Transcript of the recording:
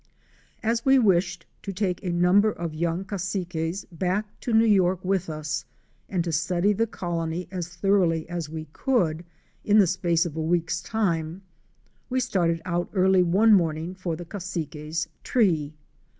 As we wished to take a number of young Cassiques back to New York with us and to study the colony as thoroughly as we could in the space of a week's time, we started out early one morning for the Cassiques' tree.